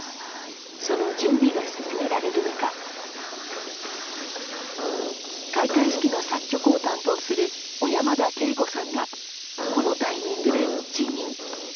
その準備が進められる中開会式の作曲を担当する小山田圭吾さんがこのタイミングで辞任。